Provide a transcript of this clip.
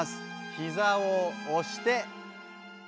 膝を押して。